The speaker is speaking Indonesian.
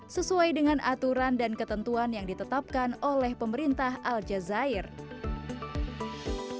sesuai dengan aturan dan ketentuan yang ditetapkan oleh pemerintah al jazee